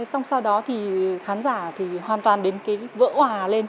xong sau đó thì khán giả thì hoàn toàn đến cái vỡ hòa lên